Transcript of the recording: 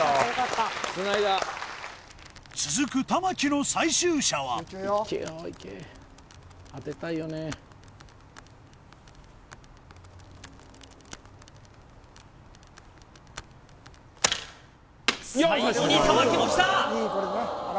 続く玉木の最終射は最後に玉木もきた